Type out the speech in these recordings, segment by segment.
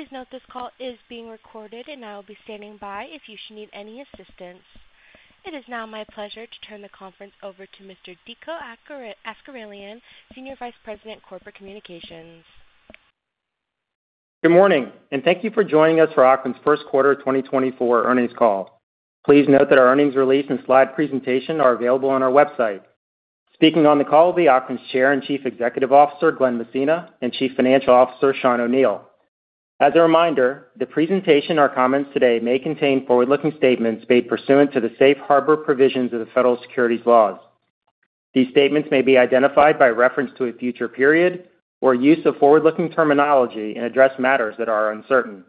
Please note this call is being recorded and I will be standing by if you should need any assistance. It is now my pleasure to turn the conference over to Mr. Dico Akseraylian, Senior Vice President, Corporate Communications. Good morning, and thank you for joining us for Ocwen's First Quarter 2024 Earnings Call. Please note that our earnings release and slide presentation are available on our website. Speaking on the call will be Ocwen's Chair and Chief Executive Officer Glen Messina and Chief Financial Officer Sean O'Neil. As a reminder, the presentation or comments today may contain forward-looking statements made pursuant to the Safe Harbor provisions of the federal securities laws. These statements may be identified by reference to a future period or use of forward-looking terminology and address matters that are uncertain.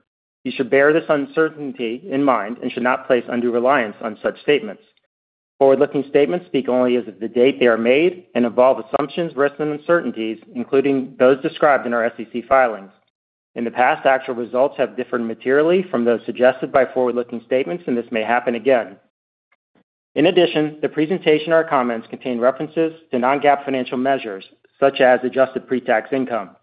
You should bear this uncertainty in mind and should not place undue reliance on such statements. Forward-looking statements speak only as of the date they are made and involve assumptions, risks, and uncertainties, including those described in our SEC filings. In the past, actual results have differed materially from those suggested by forward-looking statements, and this may happen again. In addition, the presentation or comments contain references to non-GAAP financial measures such as adjusted pre-tax income.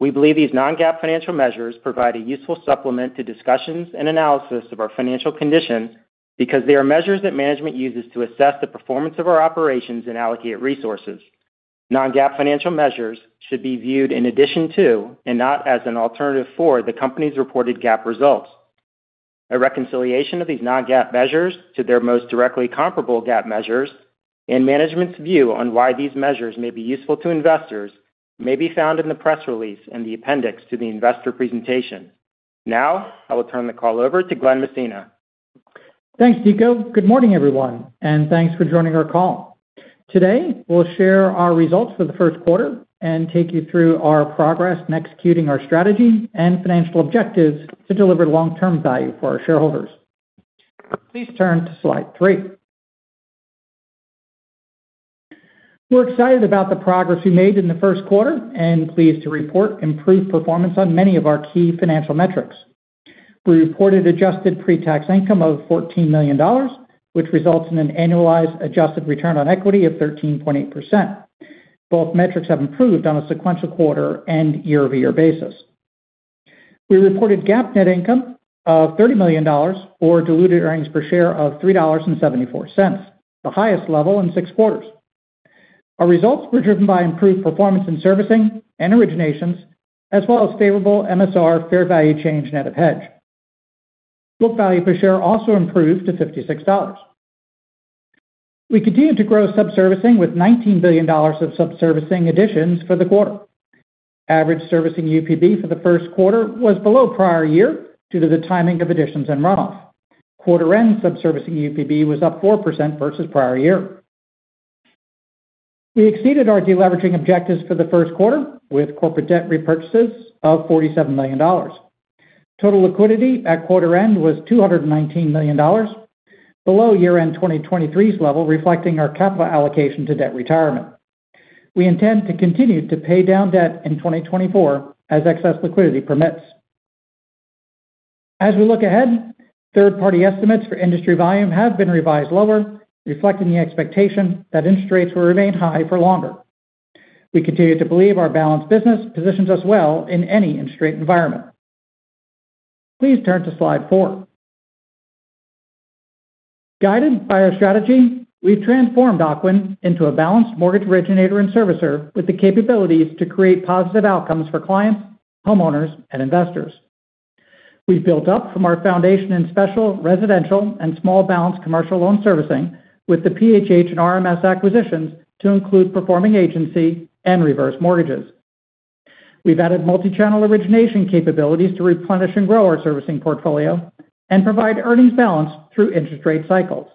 We believe these non-GAAP financial measures provide a useful supplement to discussions and analysis of our financial conditions because they are measures that management uses to assess the performance of our operations and allocate resources. Non-GAAP financial measures should be viewed in addition to and not as an alternative for the company's reported GAAP results. A reconciliation of these non-GAAP measures to their most directly comparable GAAP measures and management's view on why these measures may be useful to investors may be found in the press release and the appendix to the investor presentation. Now I will turn the call over to Glen Messina. Thanks, Dico. Good morning, everyone, and thanks for joining our call. Today we'll share our results for the first quarter and take you through our progress in executing our strategy and financial objectives to deliver long-term value for our shareholders. Please turn to slide three. We're excited about the progress we made in the first quarter and pleased to report improved performance on many of our key financial metrics. We reported adjusted pre-tax income of $14 million, which results in an annualized adjusted return on equity of 13.8%. Both metrics have improved on a sequential quarter and year-over-year basis. We reported GAAP net income of $30 million or diluted earnings per share of $3.74, the highest level in six quarters. Our results were driven by improved performance in servicing and originations, as well as favorable MSR fair value change net of hedge. Book value per share also improved to $56. We continue to grow subservicing with $19 billion of subservicing additions for the quarter. Average servicing UPB for the first quarter was below prior year due to the timing of additions and runoff. Quarter-end subservicing UPB was up 4% versus prior year. We exceeded our deleveraging objectives for the first quarter with corporate debt repurchases of $47 million. Total liquidity at quarter-end was $219 million, below year-end 2023's level reflecting our capital allocation to debt retirement. We intend to continue to pay down debt in 2024 as excess liquidity permits. As we look ahead, third-party estimates for industry volume have been revised lower, reflecting the expectation that interest rates will remain high for longer. We continue to believe our balanced business positions us well in any interest rate environment. Please turn to slide four. Guided by our strategy, we've transformed Ocwen into a balanced mortgage originator and servicer with the capabilities to create positive outcomes for clients, homeowners, and investors. We've built up from our foundation in special, residential, and small balance commercial loan servicing with the PHH and RMS acquisitions to include performing agency and reverse mortgages. We've added multi-channel origination capabilities to replenish and grow our servicing portfolio and provide earnings balance through interest rate cycles.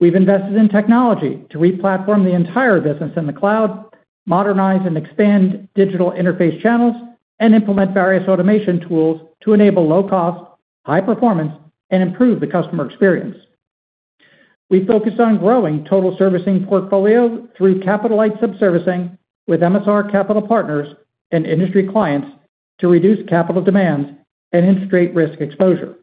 We've invested in technology to replatform the entire business in the cloud, modernize and expand digital interface channels, and implement various automation tools to enable low cost, high performance, and improve the customer experience. We focused on growing total servicing portfolio through capital-light subservicing with MSR capital partners and industry clients to reduce capital demands and interest rate risk exposure.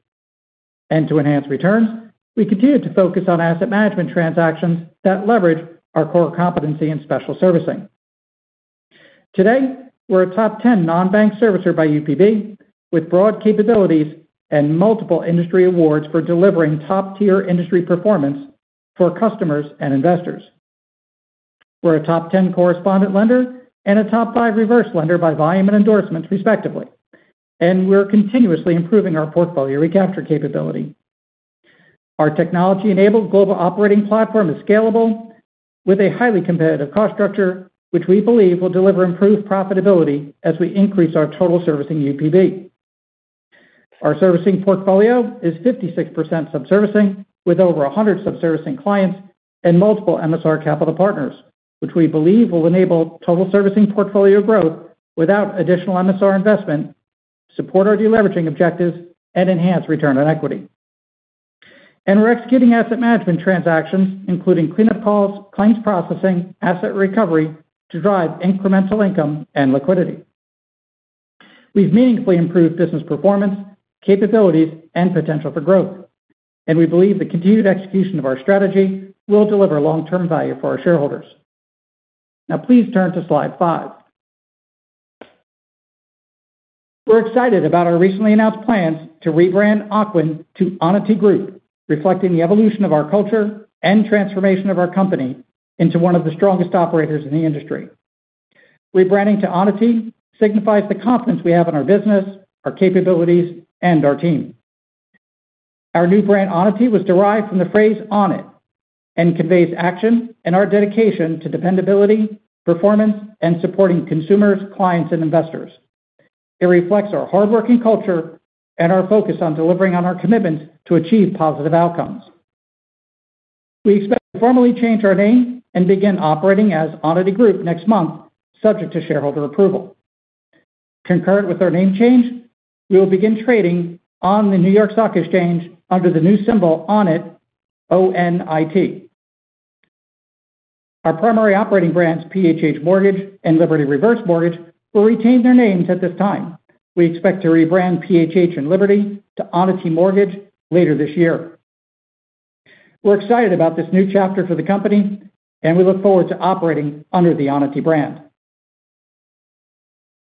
To enhance returns, we continue to focus on asset management transactions that leverage our core competency in special servicing. Today, we're a top 10 non-bank servicer by UPB with broad capabilities and multiple industry awards for delivering top-tier industry performance for customers and investors. We're a top 10 correspondent lender and a top five reverse lender by volume and endorsements, respectively, and we're continuously improving our portfolio recapture capability. Our technology-enabled global operating platform is scalable with a highly competitive cost structure, which we believe will deliver improved profitability as we increase our total servicing UPB. Our servicing portfolio is 56% subservicing with over 100 subservicing clients and multiple MSR capital partners, which we believe will enable total servicing portfolio growth without additional MSR investment, support our deleveraging objectives, and enhance return on equity. We're executing asset management transactions, including cleanup calls, claims processing, asset recovery, to drive incremental income and liquidity. We've meaningfully improved business performance, capabilities, and potential for growth, and we believe the continued execution of our strategy will deliver long-term value for our shareholders. Now please turn to slide five. We're excited about our recently announced plans to rebrand Ocwen to Onity Group, reflecting the evolution of our culture and transformation of our company into one of the strongest operators in the industry. Rebranding to Onity signifies the confidence we have in our business, our capabilities, and our team. Our new brand Onity was derived from the phrase "on it" and conveys action and our dedication to dependability, performance, and supporting consumers, clients, and investors. It reflects our hardworking culture and our focus on delivering on our commitments to achieve positive outcomes. We expect to formally change our name and begin operating as Onity Group next month, subject to shareholder approval. Concurrent with our name change, we will begin trading on the New York Stock Exchange under the new symbol "ONIT" O-N-I-T. Our primary operating brands, PHH Mortgage and Liberty Reverse Mortgage, will retain their names at this time. We expect to rebrand PHH and Liberty to Onity Mortgage later this year. We're excited about this new chapter for the company, and we look forward to operating under the Onity brand.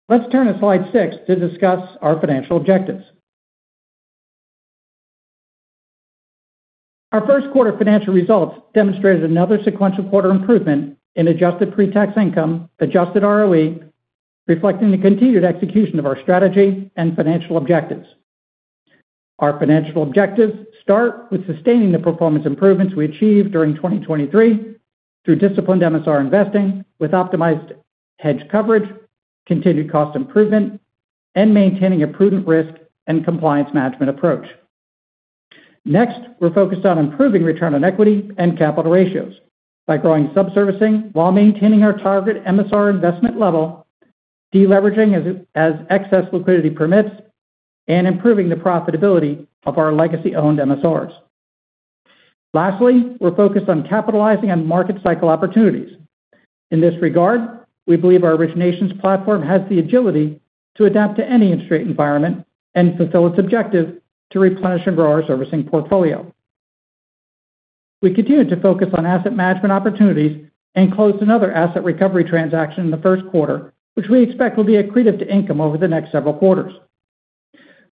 Let's turn to slide six to discuss our financial objectives. Our first quarter financial results demonstrated another sequential quarter improvement in adjusted pre-tax income, adjusted ROE, reflecting the continued execution of our strategy and financial objectives. Our financial objectives start with sustaining the performance improvements we achieved during 2023 through disciplined MSR investing with optimized hedge coverage, continued cost improvement, and maintaining a prudent risk and compliance management approach. Next, we're focused on improving return on equity and capital ratios by growing subservicing while maintaining our target MSR investment level, deleveraging as excess liquidity permits, and improving the profitability of our legacy-owned MSRs. Lastly, we're focused on capitalizing on market cycle opportunities. In this regard, we believe our originations platform has the agility to adapt to any interest rate environment and fulfill its objective to replenish and grow our servicing portfolio. We continue to focus on asset management opportunities and closed another asset recovery transaction in the first quarter, which we expect will be a contributor to income over the next several quarters.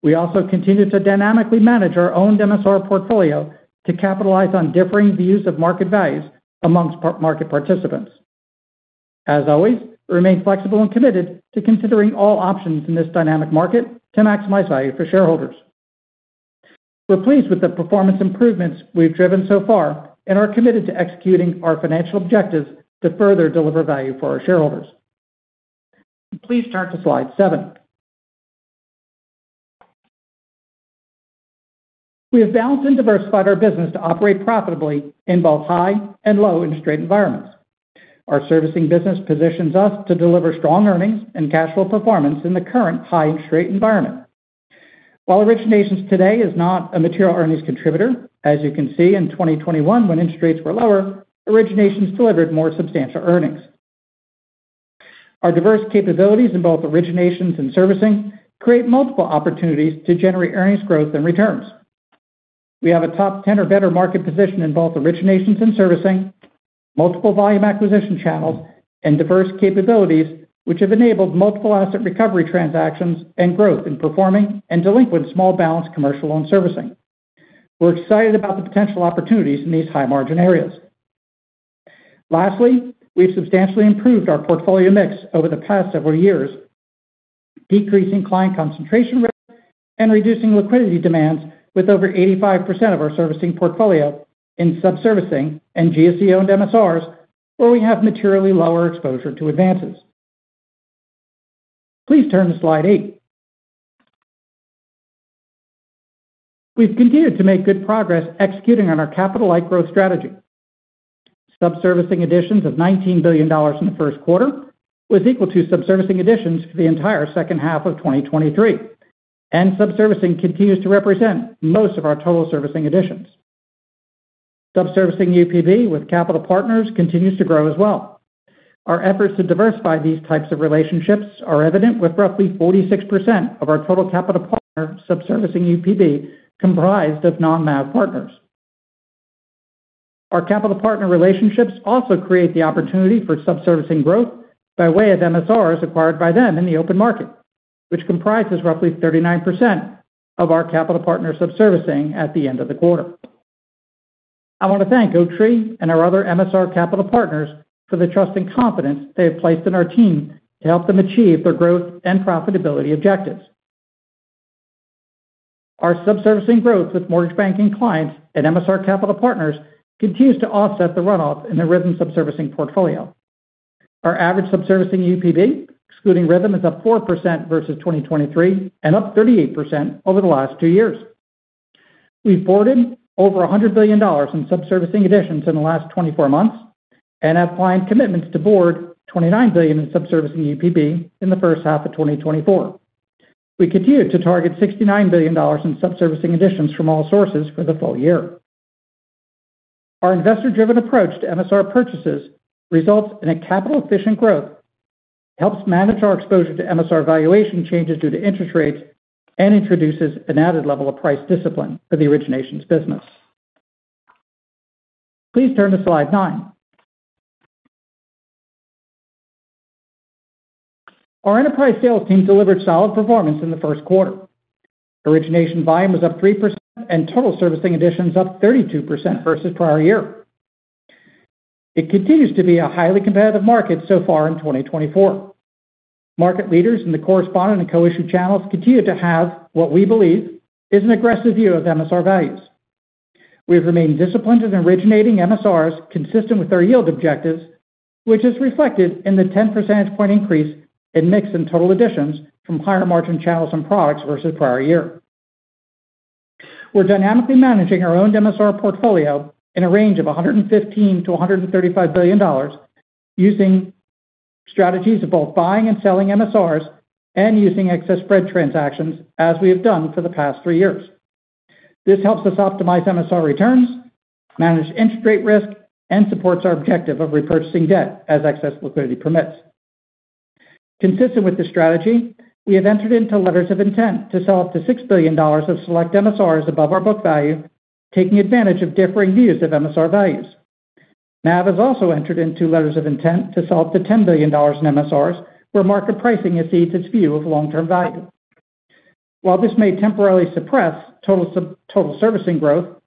We also continue to dynamically manage our own MSR portfolio to capitalize on differing views of market values among market participants. As always, we remain flexible and committed to considering all options in this dynamic market to maximize value for shareholders. We're pleased with the performance improvements we've driven so far and are committed to executing our financial objectives to further deliver value for our shareholders. Please turn to slide seven. We have balanced and diversified our business to operate profitably in both high and low interest rate environments. Our servicing business positions us to deliver strong earnings and cash flow performance in the current high interest rate environment. While originations today is not a material earnings contributor, as you can see in 2021 when interest rates were lower, originations delivered more substantial earnings. Our diverse capabilities in both originations and servicing create multiple opportunities to generate earnings growth and returns. We have a top 10 or better market position in both originations and servicing, multiple volume acquisition channels, and diverse capabilities which have enabled multiple asset recovery transactions and growth in performing and delinquent small balance commercial loan servicing. We're excited about the potential opportunities in these high margin areas. Lastly, we've substantially improved our portfolio mix over the past several years, decreasing client concentration risk and reducing liquidity demands with over 85% of our servicing portfolio in subservicing and GSE-owned MSRs where we have materially lower exposure to advances. Please turn to slide eight. We've continued to make good progress executing on our capital-light growth strategy. Subservicing additions of $19 billion in the first quarter was equal to subservicing additions for the entire second half of 2023, and subservicing continues to represent most of our total servicing additions. Subservicing UPB with capital partners continues to grow as well. Our efforts to diversify these types of relationships are evident with roughly 46% of our total capital partner subservicing UPB comprised of non-MAV partners. Our capital partner relationships also create the opportunity for subservicing growth by way of MSRs acquired by them in the open market, which comprises roughly 39% of our capital partner subservicing at the end of the quarter. I want to thank Oaktree and our other MSR capital partners for the trust and confidence they have placed in our team to help them achieve their growth and profitability objectives. Our subservicing growth with mortgage banking clients and MSR capital partners continues to offset the runoff in the Rithm subservicing portfolio. Our average subservicing UPB, excluding Rithm, is up 4% versus 2023 and up 38% over the last two years. We've boarded over $100 billion in subservicing additions in the last 24 months and have client commitments to board $29 billion in subservicing UPB in the first half of 2024. We continue to target $69 billion in subservicing additions from all sources for the full year. Our investor-driven approach to MSR purchases results in a capital-efficient growth, helps manage our exposure to MSR valuation changes due to interest rates, and introduces an added level of price discipline for the originations business. Please turn to slide nine. Our enterprise sales team delivered solid performance in the first quarter. Origination volume was up 3% and total servicing additions up 32% versus prior year. It continues to be a highly competitive market so far in 2024. Market leaders in the correspondent and co-issue channels continue to have what we believe is an aggressive view of MSR values. We have remained disciplined in originating MSRs consistent with our yield objectives, which is reflected in the 10 percentage point increase in mix and total additions from higher margin channels and products versus prior year. We're dynamically managing our own MSR portfolio in a range of $115 billion-$135 billion using strategies of both buying and selling MSRs and using excess spread transactions as we have done for the past three years. This helps us optimize MSR returns, manage interest rate risk, and supports our objective of repurchasing debt as excess liquidity permits. Consistent with this strategy, we have entered into letters of intent to sell up to $6 billion of select MSRs above our book value, taking advantage of differing views of MSR values. MAV has also entered into letters of intent to sell up to $10 billion in MSRs where market pricing exceeds its view of long-term value. While this may temporarily suppress total servicing growth,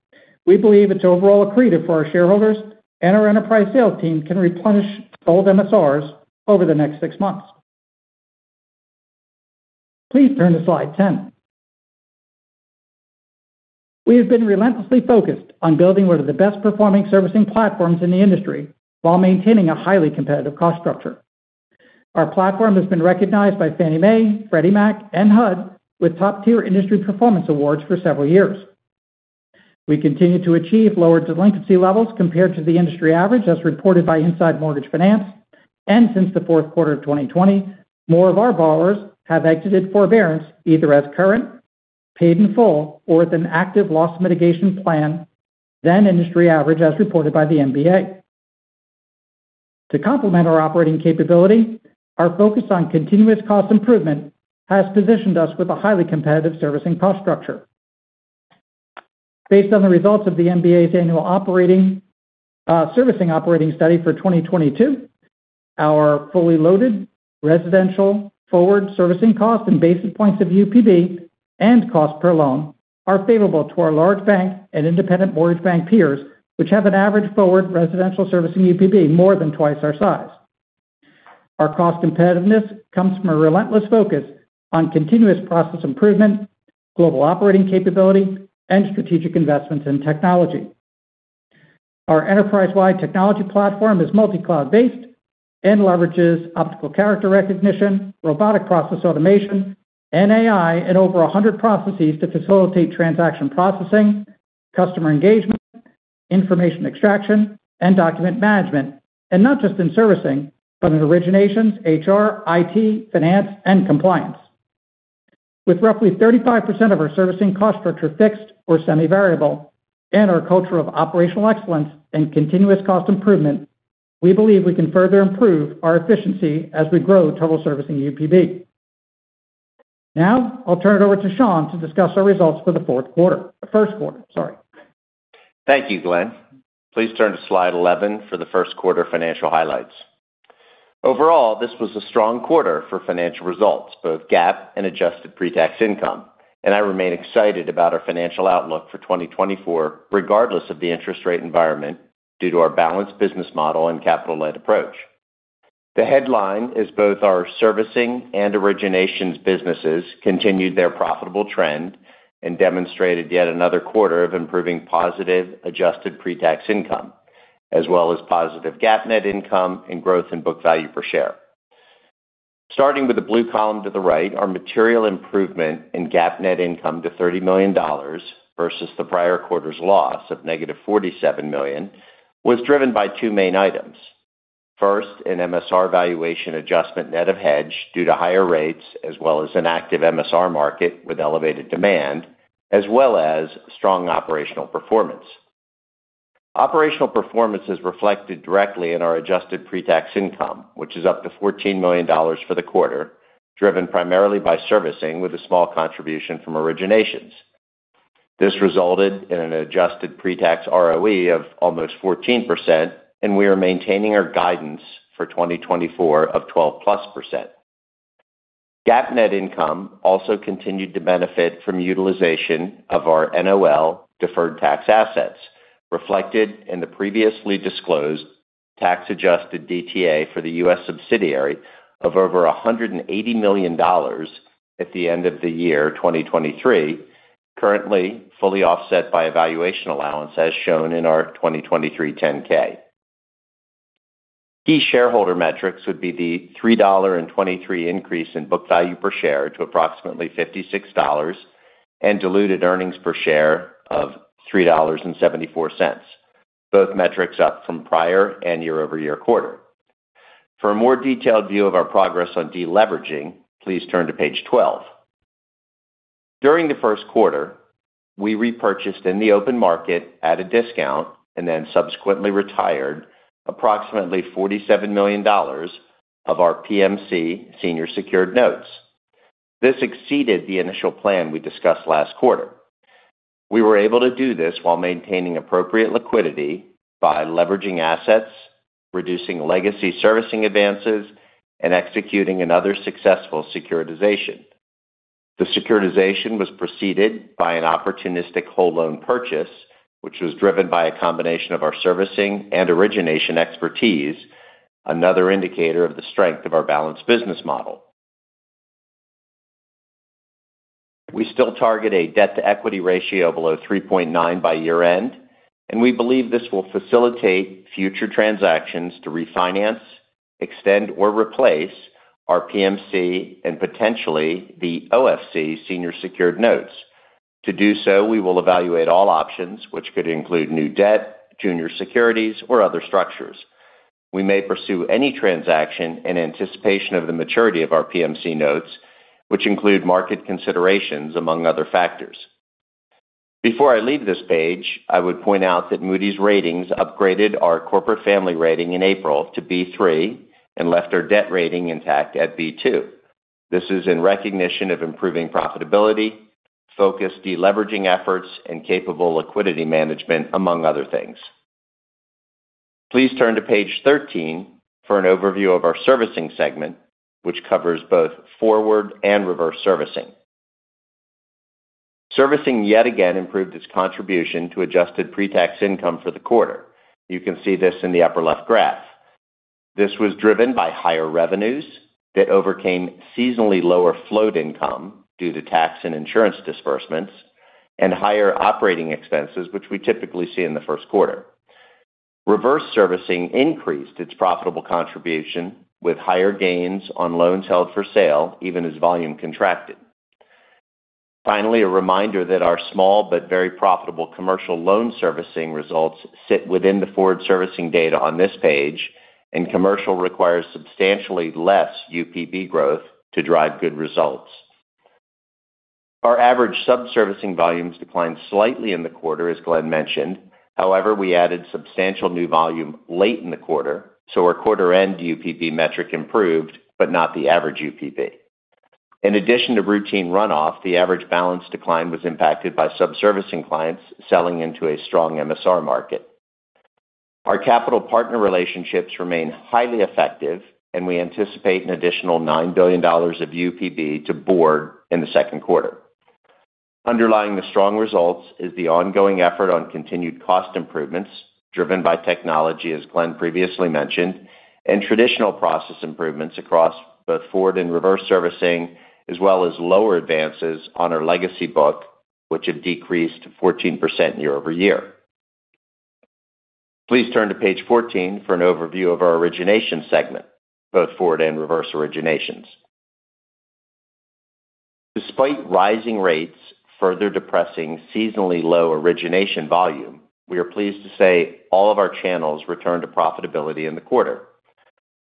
we believe it's overall accretive for our shareholders and our enterprise sales team can replenish old MSRs over the next six months. Please turn to slide 10. We have been relentlessly focused on building one of the best performing servicing platforms in the industry while maintaining a highly competitive cost structure. Our platform has been recognized by Fannie Mae, Freddie Mac, and HUD with top-tier industry performance awards for several years. We continue to achieve lower delinquency levels compared to the industry average as reported by Inside Mortgage Finance, and since the fourth quarter of 2020, more of our borrowers have exited forbearance either as current, paid in full, or with an active loss mitigation plan than industry average as reported by the MBA. To complement our operating capability, our focus on continuous cost improvement has positioned us with a highly competitive servicing cost structure. Based on the results of the MBA's annual servicing operating study for 2022, our fully loaded residential forward servicing cost and basis points of UPB and cost per loan are favorable to our large bank and independent mortgage bank peers, which have an average forward residential servicing UPB more than twice our size. Our cost competitiveness comes from a relentless focus on continuous process improvement, global operating capability, and strategic investments in technology. Our enterprise-wide technology platform is multi-cloud-based and leverages optical character recognition, robotic process automation, and AI in over 100 processes to facilitate transaction processing, customer engagement, information extraction, and document management, and not just in servicing but in originations, HR, IT, Finance, and Compliance. With roughly 35% of our servicing cost structure fixed or semi-variable and our culture of operational excellence and continuous cost improvement, we believe we can further improve our efficiency as we grow total servicing UPB. Now, I'll turn it over to Sean to discuss our results for the first quarter. Thank you, Glen. Please turn to slide 11 for the first quarter financial highlights. Overall, this was a strong quarter for financial results, both GAAP and adjusted pre-tax income, and I remain excited about our financial outlook for 2024 regardless of the interest rate environment due to our balanced business model and capital-led approach. The headline is both our servicing and originations businesses continued their profitable trend and demonstrated yet another quarter of improving positive adjusted pre-tax income as well as positive GAAP net income and growth in book value per share. Starting with the blue column to the right, our material improvement in GAAP net income to $30 million versus the prior quarter's loss of -$47 million was driven by two main items. First, an MSR valuation adjustment net of hedge due to higher rates as well as an active MSR market with elevated demand, as well as strong operational performance. Operational performance is reflected directly in our adjusted pre-tax income, which is up to $14 million for the quarter, driven primarily by servicing with a small contribution from originations. This resulted in an adjusted pre-tax ROE of almost 14%, and we are maintaining our guidance for 2024 of 12%+. GAAP net income also continued to benefit from utilization of our NOL deferred tax assets, reflected in the previously disclosed tax-adjusted DTA for the U.S. subsidiary of over $180 million at the end of the year 2023, currently fully offset by valuation allowance as shown in our 2023 10-K. Key shareholder metrics would be the $3.23 increase in book value per share to approximately $56 and diluted earnings per share of $3.74, both metrics up from prior and year-over-year quarter. For a more detailed view of our progress on deleveraging, please turn to page 12. During the first quarter, we repurchased in the open market at a discount and then subsequently retired approximately $47 million of our PMC senior secured notes. This exceeded the initial plan we discussed last quarter. We were able to do this while maintaining appropriate liquidity by leveraging assets, reducing legacy servicing advances, and executing another successful securitization. The securitization was preceded by an opportunistic whole loan purchase, which was driven by a combination of our servicing and origination expertise, another indicator of the strength of our balanced business model. We still target a debt-to-equity ratio below 3.9 by year-end, and we believe this will facilitate future transactions to refinance, extend, or replace our PMC and potentially the OFC senior secured notes. To do so, we will evaluate all options, which could include new debt, junior securities, or other structures. We may pursue any transaction in anticipation of the maturity of our PMC notes, which include market considerations among other factors. Before I leave this page, I would point out that Moody's Ratings upgraded our corporate family rating in April to B3 and left our debt rating intact at B2. This is in recognition of improving profitability, focused deleveraging efforts, and capable liquidity management, among other things. Please turn to page 13 for an overview of our Servicing segment, which covers both forward and reverse servicing. Servicing yet again improved its contribution to Adjusted Pre-Tax Income for the quarter. You can see this in the upper left graph. This was driven by higher revenues that overcame seasonally lower float income due to tax and insurance disbursements and higher operating expenses, which we typically see in the first quarter. Reverse Servicing increased its profitable contribution with higher gains on loans held for sale even as volume contracted. Finally, a reminder that our small but very profitable Commercial Loan Servicing results sit within the forward servicing data on this page, and commercial requires substantially less UPB growth to drive good results. Our average subservicing volumes declined slightly in the quarter, as Glen mentioned. However, we added substantial new volume late in the quarter, so our quarter-end UPB metric improved but not the average UPB. In addition to routine runoff, the average balance decline was impacted by subservicing clients selling into a strong MSR market. Our capital partner relationships remain highly effective, and we anticipate an additional $9 billion of UPB to board in the second quarter. Underlying the strong results is the ongoing effort on continued cost improvements driven by technology, as Glen previously mentioned, and traditional process improvements across both forward and reverse servicing as well as lower advances on our legacy book, which had decreased 14% year-over-year. Please turn to page 14 for an overview of our Origination segment, both forward and reverse originations. Despite rising rates further depressing seasonally low origination volume, we are pleased to say all of our channels returned to profitability in the quarter.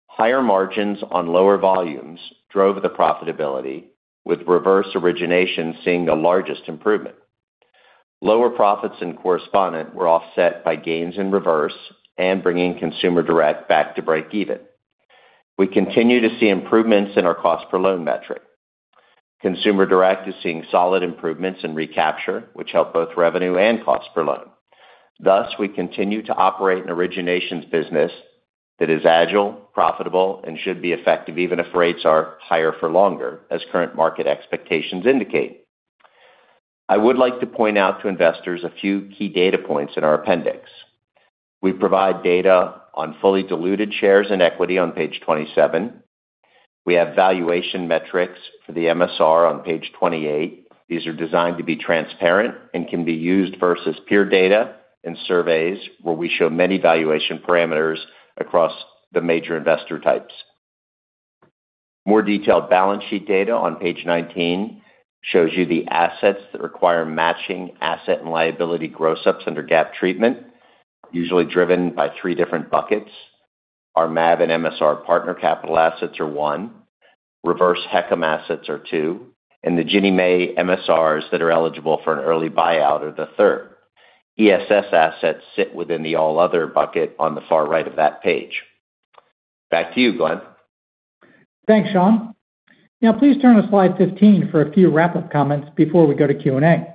Higher margins on lower volumes drove the profitability, with reverse origination seeing the largest improvement. Lower profits in correspondent were offset by gains in reverse and bringing Consumer Direct back to break even. We continue to see improvements in our cost per loan metric. Consumer Direct is seeing solid improvements in recapture, which help both revenue and cost per loan. Thus, we continue to operate an Originations business that is agile, profitable, and should be effective even if rates are higher for longer, as current market expectations indicate. I would like to point out to investors a few key data points in our appendix. We provide data on fully diluted shares and equity on page 27. We have valuation metrics for the MSR on page 28. These are designed to be transparent and can be used versus peer data in surveys where we show many valuation parameters across the major investor types. More detailed balance sheet data on page 19 shows you the assets that require matching asset and liability growths under GAAP treatment, usually driven by three different buckets. Our MAV and MSR partner capital assets are one. Reverse HECM assets are two. And the Ginnie Mae MSRs that are eligible for an early buyout are the third. ESS assets sit within the all-other bucket on the far right of that page. Back to you, Glen. Thanks, Sean. Now, please turn to slide 15 for a few wrap-up comments before we go to Q&A.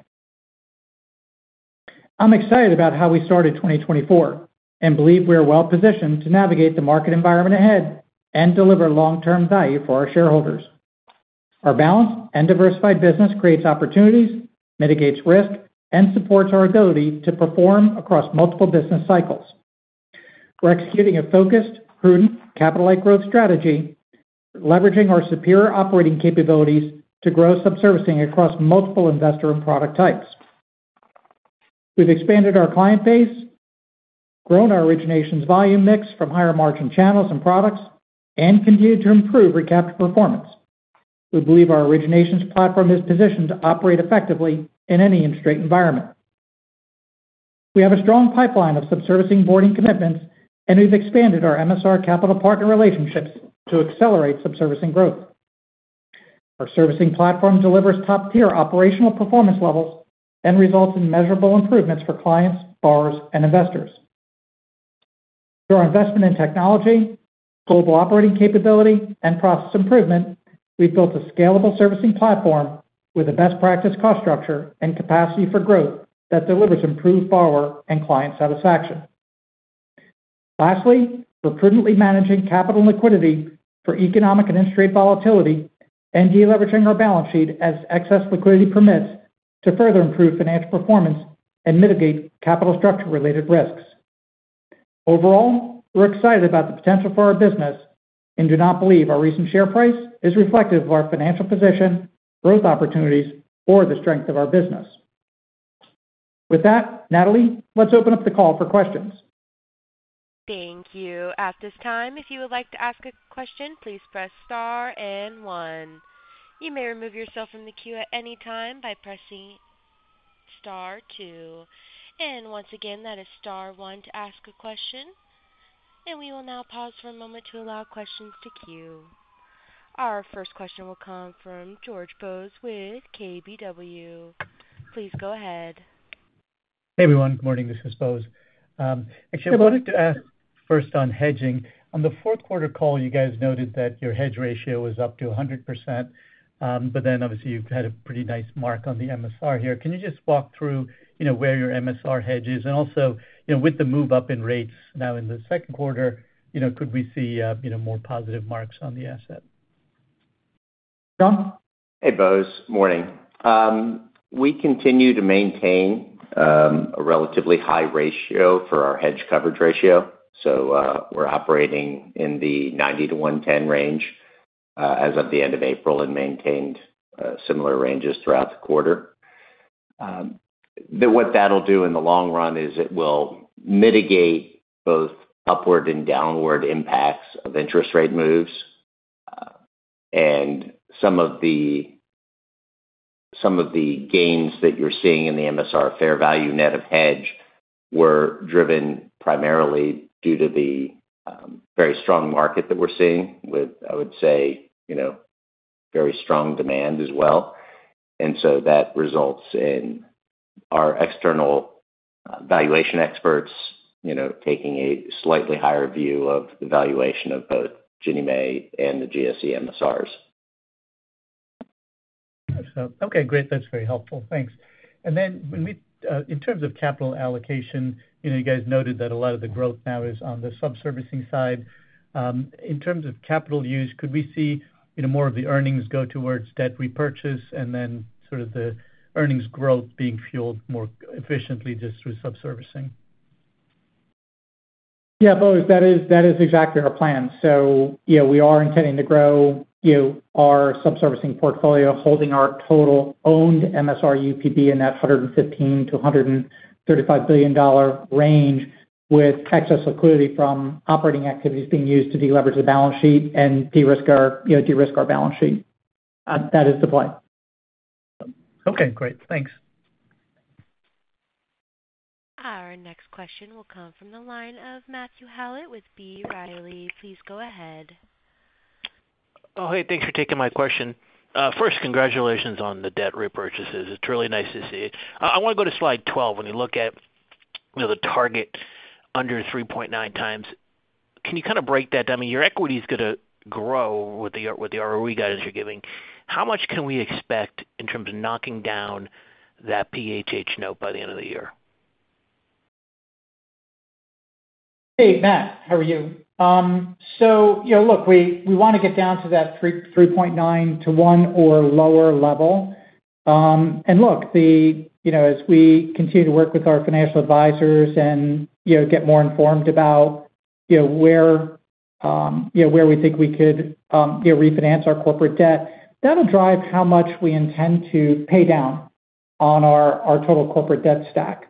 I'm excited about how we started 2024 and believe we are well positioned to navigate the market environment ahead and deliver long-term value for our shareholders. Our balanced and diversified business creates opportunities, mitigates risk, and supports our ability to perform across multiple business cycles. We're executing a focused, prudent, capital-light growth strategy, leveraging our superior operating capabilities to grow subservicing across multiple investor and product types. We've expanded our client base, grown our originations volume mix from higher margin channels and products, and continued to improve recapture performance. We believe our originations platform is positioned to operate effectively in any interest rate environment. We have a strong pipeline of subservicing onboarding commitments, and we've expanded our MSR capital partner relationships to accelerate subservicing growth. Our Servicing platform delivers top-tier operational performance levels and results in measurable improvements for clients, borrowers, and investors. Through our investment in technology, global operating capability, and process improvement, we've built a scalable Servicing platform with a best-practice cost structure and capacity for growth that delivers improved borrower and client satisfaction. Lastly, we're prudently managing capital and liquidity for economic and interest rate volatility and deleveraging our balance sheet as excess liquidity permits to further improve financial performance and mitigate capital structure-related risks. Overall, we're excited about the potential for our business and do not believe our recent share price is reflective of our financial position, growth opportunities, or the strength of our business. With that, Natalie, let's open up the call for questions. Thank you. At this time, if you would like to ask a question, please press star and one. You may remove yourself from the queue at any time by pressing star two. And once again, that is star one to ask a question. We will now pause for a moment to allow questions to queue. Our first question will come from Bose George with KBW. Please go ahead. Hey, everyone. Good morning. This is Bose. Actually, I wanted to ask first on hedging. On the fourth quarter call, you guys noted that your hedge ratio was up to 100%, but then obviously, you've had a pretty nice mark on the MSR here. Can you just walk through where your MSR hedge is? And also, with the move up in rates now in the second quarter, could we see more positive marks on the asset? Sean? Hey, Bose. Morning. We continue to maintain a relatively high ratio for our hedge coverage ratio. So we're operating in the 90-110 range as of the end of April and maintained similar ranges throughout the quarter. What that'll do in the long run is it will mitigate both upward and downward impacts of interest rate moves. And some of the gains that you're seeing in the MSR fair value net of hedge were driven primarily due to the very strong market that we're seeing with, I would say, very strong demand as well. And so that results in our external valuation experts taking a slightly higher view of the valuation of both Ginnie Mae and the GSE MSRs. Okay. Great. That's very helpful. Thanks. And then in terms of capital allocation, you guys noted that a lot of the growth now is on the subservicing side. In terms of capital use, could we see more of the earnings go towards debt repurchase and then sort of the earnings growth being fueled more efficiently just through subservicing? Yeah, Bose. That is exactly our plan. So we are intending to grow our subservicing portfolio, holding our total owned MSR UPB in that $115 billion-$135 billion range with excess liquidity from operating activities being used to deleverage the balance sheet and de-risk our balance sheet. That is the plan. Okay. Great. Thanks. Our next question will come from the line of Matthew Howlett with B. Riley. Please go ahead. Oh, hey. Thanks for taking my question. First, congratulations on the debt repurchases. It's really nice to see it. I want to go to slide 12. When you look at the target under 3.9x, can you kind of break that down? I mean, your equity is going to grow with the ROE guidance you're giving. How much can we expect in terms of knocking down that PHH note by the end of the year? Hey, Matt. How are you? So look, we want to get down to that 3.9-to-1 or lower level. And look, as we continue to work with our financial advisors and get more informed about where we think we could refinance our corporate debt, that'll drive how much we intend to pay down on our total corporate debt stack.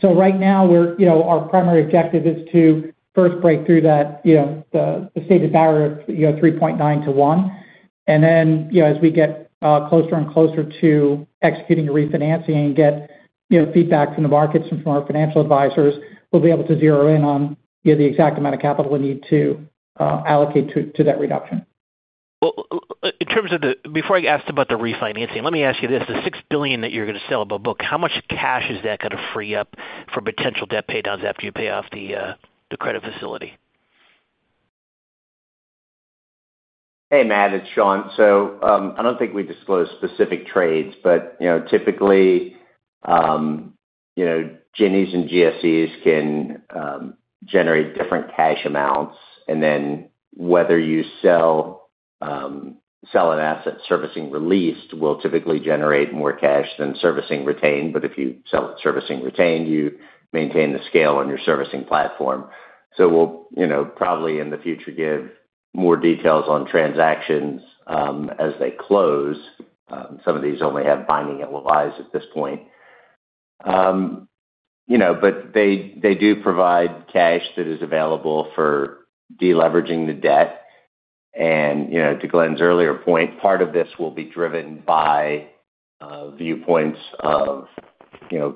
So right now, our primary objective is to first break through the stated barrier of 3.9-to-1. And then as we get closer and closer to executing a refinancing and get feedback from the markets and from our financial advisors, we'll be able to zero in on the exact amount of capital we need to allocate to that reduction. Before I asked about the refinancing, let me ask you this. The $6 billion that you're going to sell above book, how much cash is that going to free up for potential debt paydowns after you pay off the credit facility? Hey, Matt. It's Sean. So I don't think we disclosed specific trades, but typically, Ginnies and GSEs can generate different cash amounts. And then whether you sell an asset servicing released will typically generate more cash than servicing retained. But if you sell servicing retained, you maintain the scale on your servicing platform. So we'll probably in the future give more details on transactions as they close. Some of these only have binding alliances at this point. But they do provide cash that is available for deleveraging the debt. And to Glen's earlier point, part of this will be driven by viewpoints of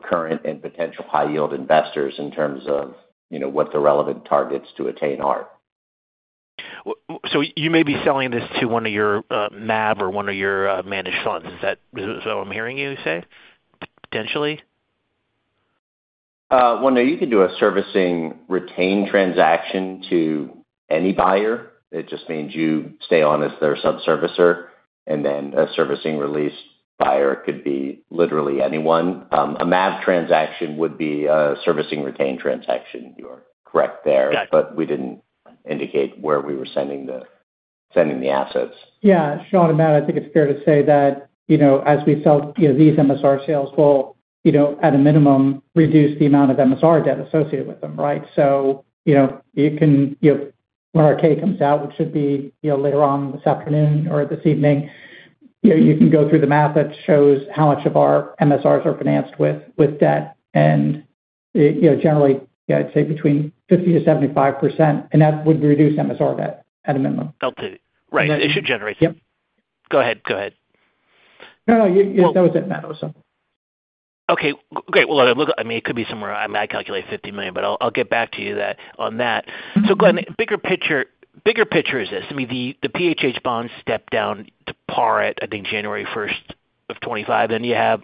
current and potential high-yield investors in terms of what the relevant targets to attain are. So you may be selling this to one of your MAV or one of your managed funds. Is that what I'm hearing you say, potentially? Well, no. You can do a servicing retained transaction to any buyer. It just means you stay on as their subservicer. And then a servicing released buyer could be literally anyone. A MAV transaction would be a servicing retained transaction. You are correct there, but we didn't indicate where we were sending the assets. Yeah. Sean and Matt, I think it's fair to say that as we sell these MSR sales, we'll, at a minimum, reduce the amount of MSR debt associated with them, right? So when our K comes out, which should be later on this afternoon or this evening, you can go through the math that shows how much of our MSRs are financed with debt. And generally, I'd say between 50%-75%. And that would reduce MSR debt at a minimum. Right. It should generate go ahead. Go ahead. No, no. That was it, Matt. I was sorry. Okay. Great. Well, I mean, it could be somewhere I mean, I calculate $50 million, but I'll get back to you on that. So Glen, bigger picture is this. I mean, the PHH bonds stepped down to par at, I think, January 1 of 2025. Then you have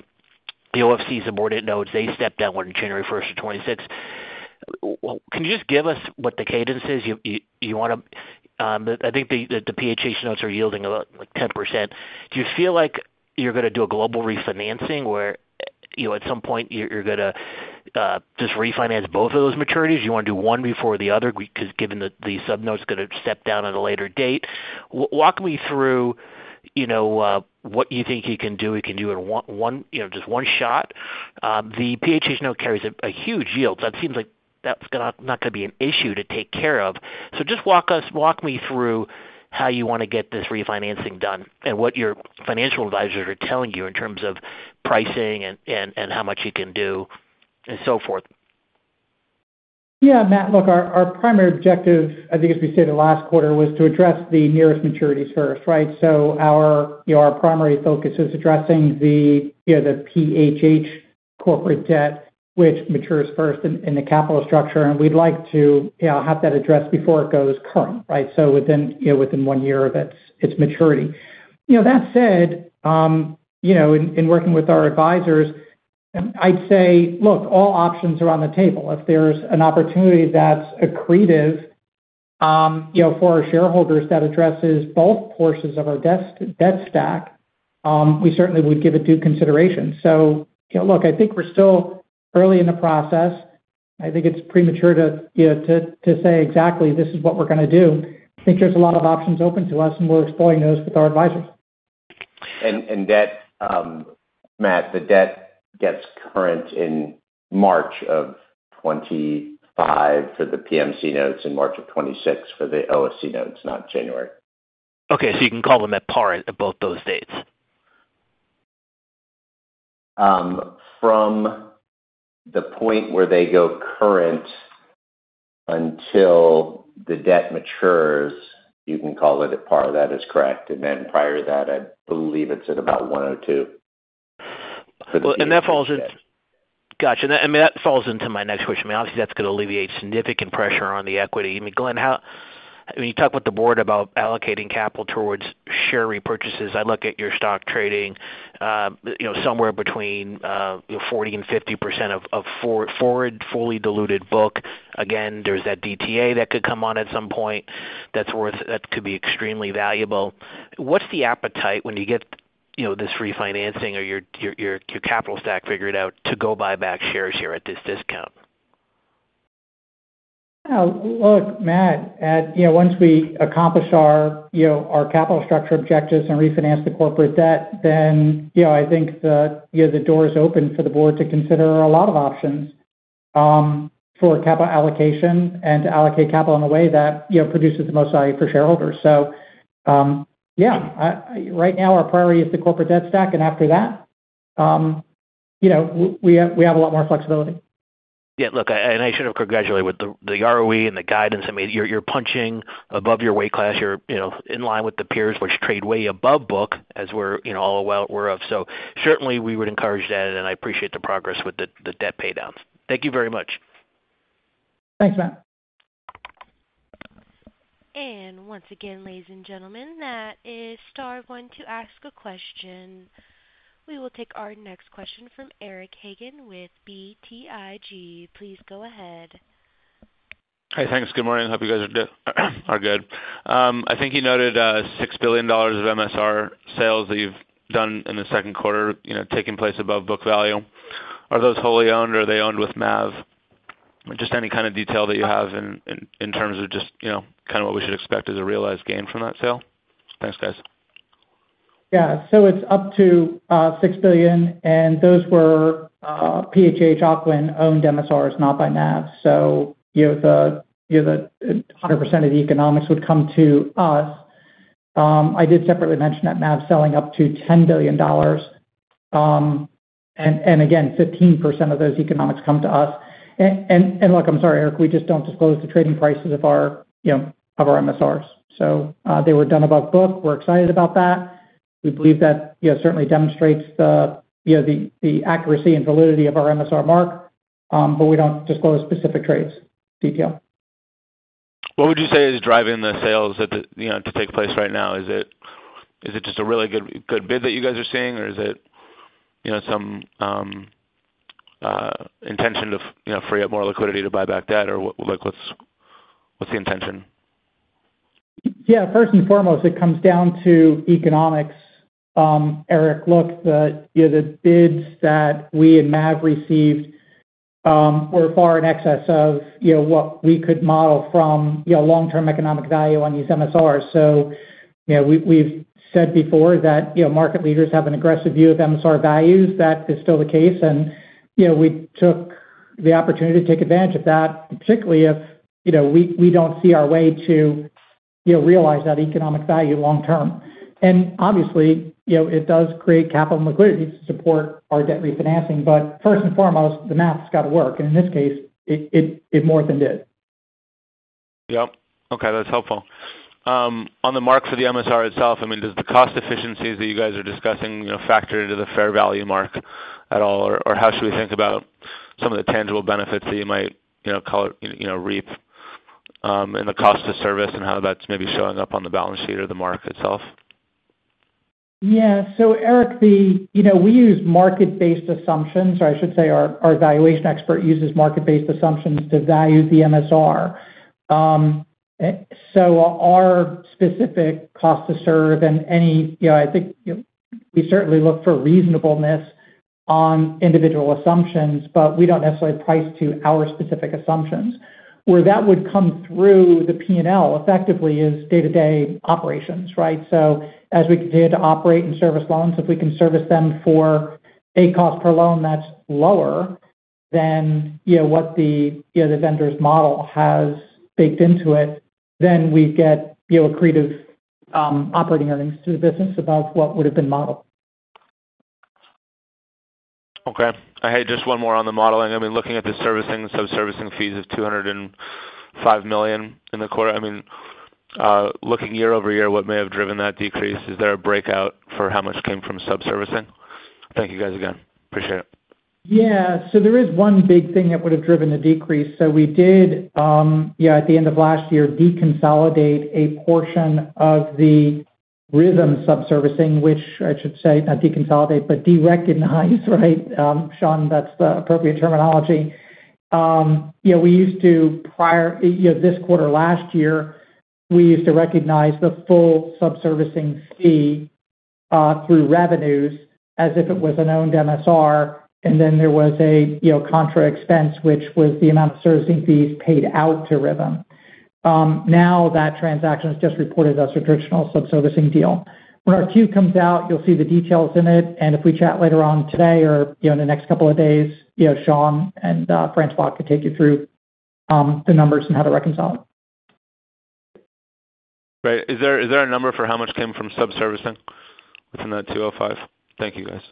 the OFC's bond notes. They stepped down when January 1 of 2026. Can you just give us what the cadence is? I think the PHH notes are yielding about 10%. Do you feel like you're going to do a global refinancing where at some point, you're going to just refinance both of those maturities? Do you want to do one before the other because given the subnote's going to step down at a later date? Walk me through what you think you can do. You can do it in just one shot. The PHH note carries a huge yield. That seems like that's not going to be an issue to take care of. So just walk me through how you want to get this refinancing done and what your financial advisors are telling you in terms of pricing and how much you can do and so forth. Yeah. Matt, look, our primary objective, I think, as we stated last quarter, was to address the nearest maturities first, right? So our primary focus is addressing the PHH corporate debt, which matures first in the capital structure. And we'd like to have that addressed before it goes current, right? So within one year, it's maturity. That said, in working with our advisors, I'd say, look, all options are on the table. If there's an opportunity that's accretive for our shareholders that addresses both portions of our debt stack, we certainly would give it due consideration. So look, I think we're still early in the process. I think it's premature to say exactly, "This is what we're going to do." I think there's a lot of options open to us, and we're exploring those with our advisors. And Matt, the debt gets current in March of 2025 for the PMC notes and March of 2026 for the OFC notes, not January. Okay. So you can call them at par at both those dates? From the point where they go current until the debt matures, you can call it at par. That is correct. And then prior to that, I believe it's at about 102 for the debt. Well, and that falls in gotcha. I mean, that falls into my next question. I mean, obviously, that's going to alleviate significant pressure on the equity. I mean, Glen, when you talk with the board about allocating capital towards share repurchases, I look at your stock trading somewhere between 40%-50% of forward fully diluted book. Again, there's that DTA that could come on at some point that could be extremely valuable. What's the appetite when you get this refinancing or your capital stack figured out to go buy back shares here at this discount? Look, Matt, once we accomplish our capital structure objectives and refinance the corporate debt, then I think the door is open for the board to consider a lot of options for capital allocation and to allocate capital in a way that produces the most value for shareholders. So yeah, right now, our priority is the corporate debt stack. And after that, we have a lot more flexibility. Yeah. Look, and I should have congratulated with the ROE and the guidance. I mean, you're punching above your weight class. You're in line with the peers, which trade way above book as we're all aware of. So certainly, we would encourage that, and I appreciate the progress with the debt paydowns. Thank you very much. Thanks, Matt. And once again, ladies and gentlemen, that is star one to ask a question. We will take our next question from Eric Hagen with BTIG. Please go ahead. Hey. Thanks. Good morning. Hope you guys are good. I think you noted $6 billion of MSR sales that you've done in the second quarter taking place above book value. Are those wholly owned, or are they owned with MAV? Just any kind of detail that you have in terms of just kind of what we should expect as a realized gain from that sale. Thanks, guys. Yeah. So it's up to $6 billion. And those were PHH Ocwen-owned MSRs, not by MAV. So the 100% of the economics would come to us. I did separately mention that MAV's selling up to $10 billion. And again, 15% of those economics come to us. And look, I'm sorry, Eric. We just don't disclose the trading prices of our MSRs. So they were done above book. We're excited about that. We believe that certainly demonstrates the accuracy and validity of our MSR mark, but we don't disclose specific trades detail. What would you say is driving the sales to take place right now? Is it just a really good bid that you guys are seeing, or is it some intention to free up more liquidity to buy back debt, or what's the intention? Yeah. First and foremost, it comes down to economics. Eric, look, the bids that we and MAV received were far in excess of what we could model from long-term economic value on these MSRs. So we've said before that market leaders have an aggressive view of MSR values. That is still the case. And we took the opportunity to take advantage of that, particularly if we don't see our way to realize that economic value long-term. And obviously, it does create capital liquidity to support our debt refinancing. But first and foremost, the math's got to work. And in this case, it more than did. Yep. Okay. That's helpful. On the marks of the MSR itself, I mean, does the cost efficiencies that you guys are discussing factor into the fair value mark at all, or how should we think about some of the tangible benefits that you might call it reap and the cost of service and how that's maybe showing up on the balance sheet or the mark itself? Yeah. So Eric, we use market-based assumptions, or I should say our evaluation expert uses market-based assumptions to value the MSR. So our specific cost to serve and any I think we certainly look for reasonableness on individual assumptions, but we don't necessarily price to our specific assumptions. Where that would come through the P&L effectively is day-to-day operations, right? So as we continue to operate and service loans, if we can service them for a cost per loan that's lower than what the vendor's model has baked into it, then we get accretive operating earnings to the business above what would have been modeled. Okay. Hey, just one more on the modeling. I mean, looking at the servicing and subservicing fees of $205 million in the quarter, I mean, looking year-over-year, what may have driven that decrease? Is there a breakout for how much came from subservicing? Thank you guys again. Appreciate it. Yeah. So there is one big thing that would have driven the decrease. So we did, at the end of last year, deconsolidate a portion of the Rithm subservicing, which I should say not deconsolidate, but derecognize, right? Sean, that's the appropriate terminology. We used to this quarter last year, we used to recognize the full subservicing fee through revenues as if it was an owned MSR. And then there was a contra expense, which was the amount of servicing fees paid out to Rithm. Now, that transaction is just reported as a traditional subservicing deal. When our Q comes out, you'll see the details in it. And if we chat later on today or in the next couple of days, Sean and Franz Bock could take you through the numbers and how to reconcile. Great. Is there a number for how much came from subservicing within that $205? Thank you, guys.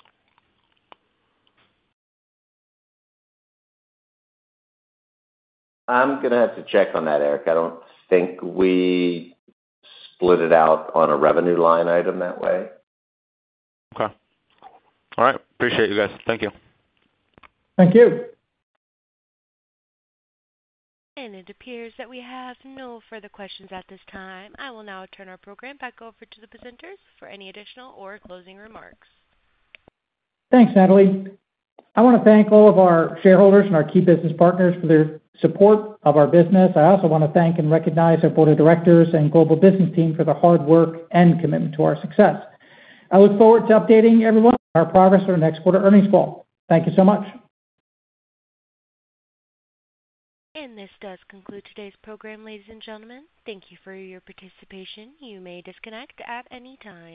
I'm going to have to check on that, Eric. I don't think we split it out on a revenue line item that way. Okay. All right. Appreciate you guys. Thank you. Thank you. It appears that we have no further questions at this time. I will now turn our program back over to the presenters for any additional or closing remarks. Thanks, Natalie. I want to thank all of our shareholders and our key business partners for their support of our business. I also want to thank and recognize our board of directors and global business team for their hard work and commitment to our success. I look forward to updating everyone on our progress during next quarter earnings call. Thank you so much. This does conclude today's program, ladies and gentlemen. Thank you for your participation. You may disconnect at any time.